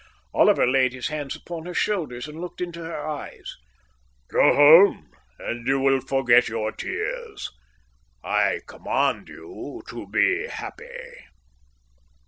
Oliver laid his hands upon her shoulders and looked into her eyes. "Go home, and you will forget your tears. I command you to be happy."